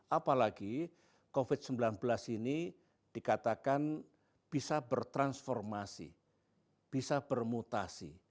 apalagi covid sembilan belas ini dikatakan bisa bertransformasi bisa bermutasi